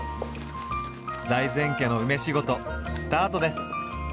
財前家の梅仕事スタートです。